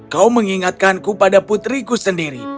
kau mengingatkanku pada putriku sendiri